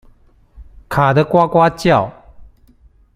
卡得呱呱叫